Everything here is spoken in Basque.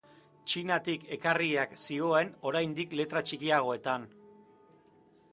Txinatik ekarriak zioen oraindik letra txikiagoetan.